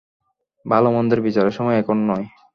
ভাল-মন্দের বিচারের সময় এখন নয়।